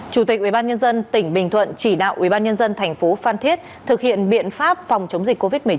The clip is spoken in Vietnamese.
chủ tịch ubnd tỉnh bình thuận chỉ đạo ubnd tp phan thiết thực hiện biện pháp phòng chống dịch covid một mươi chín